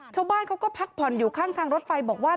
ชาวบ้านเขาก็พักผ่อนอยู่ข้างทางรถไฟบอกว่า